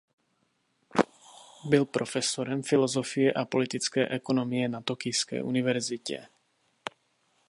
Byl profesorem filosofie a politické ekonomie na Tokijské univerzitě.